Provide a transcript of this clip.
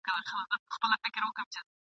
خو د زړه مطلب یې بل وي بل څه غواړي ..